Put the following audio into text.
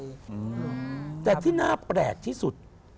อืมแต่ที่น่าแปลกที่สุด